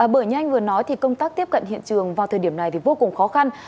bởi như anh vừa nói thì công tác tiếp cận hiện trường vào thời điểm này vô cùng khó khăn